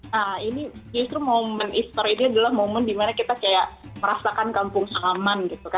nah ini justru momen istore ini adalah momen dimana kita kayak merasakan kampung salaman gitu kan